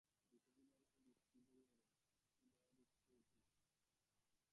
বিকালবেলায় বৃষ্টি ধরিয়া গেল, উদয়াদিত্য উঠিলেন।